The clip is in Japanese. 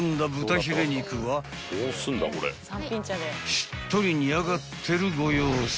［しっとり煮上がってるご様子］